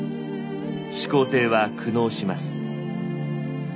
始皇帝は苦悩します。